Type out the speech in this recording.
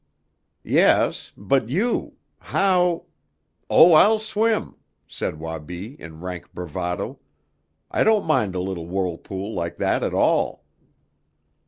"Yes but you. How " "Oh, I'll swim!" said Wabi in rank bravado. "I don't mind a little whirlpool like that at all!"